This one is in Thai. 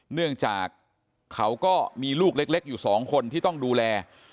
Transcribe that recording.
เนื่องจากเขาก็มีลูกเล็กอยู่๒คนที่ต้องดูแล